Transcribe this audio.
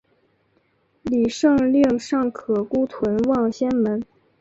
李晟令尚可孤屯望仙门。